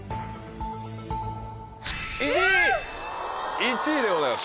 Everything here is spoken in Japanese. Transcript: １位でございます。